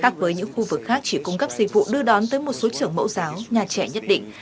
đặc với những khu vực khác chỉ cung cấp dịch vụ đưa đón tới một số trường mẫu giáo nhà trẻ nhất định